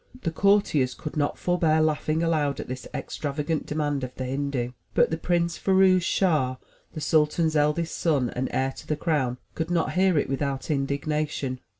The courtiers could not forbear laughing aloud at this ex travagant demand of the Hindu; but the Prince Firouz Schah, the sultan's eldest son, and heir to the crown, could not hear it without indignation.